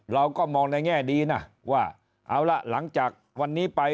เราก็มองในแง่ดีนะว่าเอาล่ะหลังจากวันนี้ไป